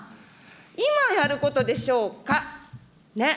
今やることでしょうか。